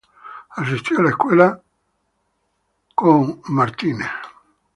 Asistió a la escuela con Heath.